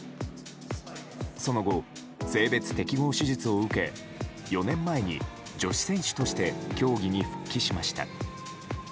その後、性別適合手術を受け４年前に、女子選手として競技に復帰しました。